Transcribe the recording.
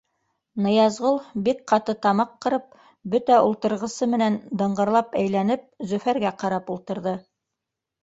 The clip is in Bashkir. Ныязғол, бик ҡаты тамаҡ ҡырып, бөтә ултырғысы менән дыңғырлап әйләнеп, Зөфәргә ҡарап ултырҙы.